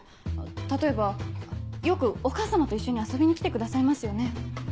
例えばよくお母様と一緒に遊びに来てくださいますよね。